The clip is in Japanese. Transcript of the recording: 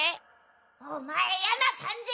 ・お前やな感じ！